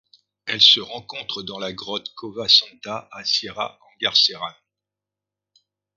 Elle se rencontre dans la grotte Cova Santa à Sierra Engarcerán.